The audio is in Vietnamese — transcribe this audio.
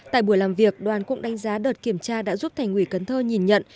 tại buổi làm việc đoàn cũng đánh giá đợt kiểm tra đã giúp thành ủy cần thơ nhìn nhận